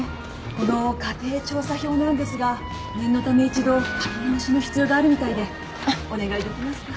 この家庭調査票なんですが念のため一度書き直しの必要があるみたいでお願いできますか？